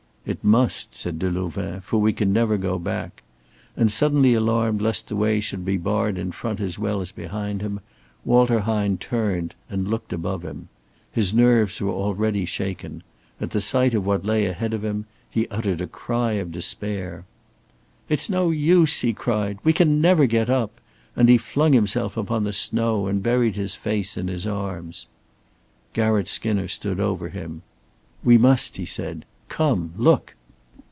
"It must," said Delouvain. "For we can never go back"; and suddenly alarmed lest the way should be barred in front as well as behind, Walter Hine turned and looked above him. His nerves were already shaken; at the sight of what lay ahead of him, he uttered a cry of despair. "It's no use," he cried. "We can never get up," and he flung himself upon the snow and buried his face in his arms. Garratt Skinner stood over him. "We must," he said. "Come! Look!"